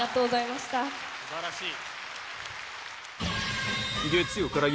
すばらしい。